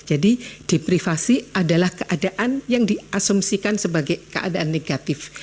jadi deprivasi adalah keadaan yang diasumsikan sebagai keadaan negatif